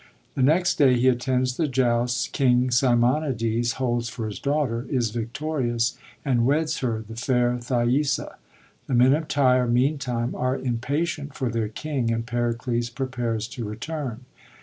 The next day he attends the jousts King Simonides holds for his daughter, is victorious, and weds her, the fair Thaisa. The men of Tyre, meantime, are impatient for their king, and Pericles prepares to return.